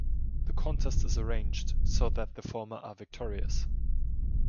The contest is arranged so that the former are victorious.